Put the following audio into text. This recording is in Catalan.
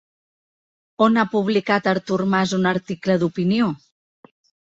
On ha publicat Artur Mas un article d'opinió?